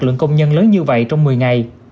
lượng công nhân lớn như vậy trong một mươi ngày